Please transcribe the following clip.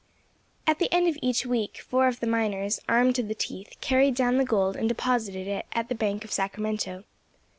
At the end of each week four of the miners, armed to the teeth, carried down the gold and deposited it at the Bank of Sacramento.